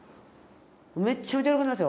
めっちゃめちゃ喜びましたよ。